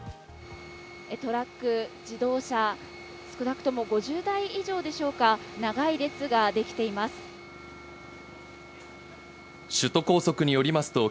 トラック、自動車、少なくとも５０台以上でしょうか、長い列ができています。